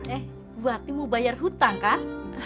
eh bu hati mau bayar utang kan